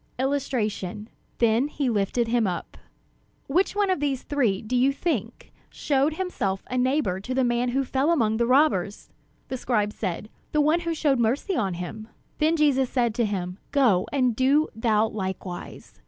'" [Illustration: Then he lifted him up] "Which one of these three, do you think, showed himself a neighbor to the man who fell among the robbers?" The scribe said: "The one who showed mercy on him." Then Jesus said to him: "Go and do thou likewise."